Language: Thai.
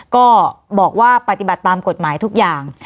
ก็บอกว่าตรวจตามกฎหมายทุกอย่าง